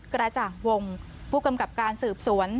กระจ่างวงผู้กำกับการสืบสวน